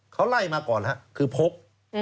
เขาไล่มาก่อนครับคือพก